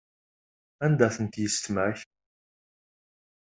Anda-tent yissetma-k?